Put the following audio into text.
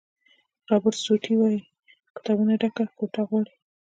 رابرټ سوټي وایي کتابونو ډکه کوټه غواړي.